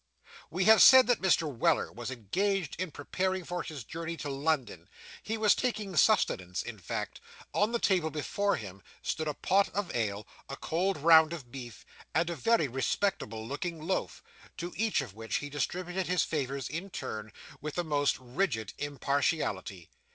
We have said that Mr. Weller was engaged in preparing for his journey to London he was taking sustenance, in fact. On the table before him, stood a pot of ale, a cold round of beef, and a very respectable looking loaf, to each of which he distributed his favours in turn, with the most rigid impartiality.